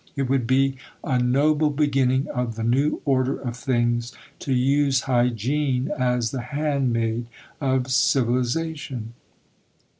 It would be a noble beginning of the new order of things to use hygiene as the handmaid of civilization.